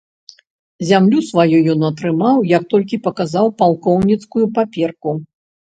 Зямлю сваю ён атрымаў, як толькі паказаў палкоўніцкую паперку.